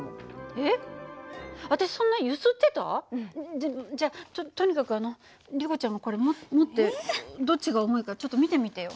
じゃじゃあととにかくあのリコちゃんもこれも持ってどっちが重いかちょっと見てみてよ。